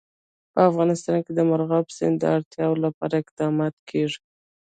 په افغانستان کې د مورغاب سیند د اړتیاوو لپاره اقدامات کېږي.